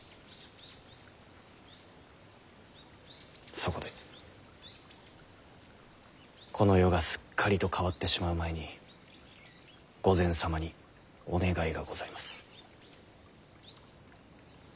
そこでこの世がすっかりと変わってしまう前に御前様にお願いがございます。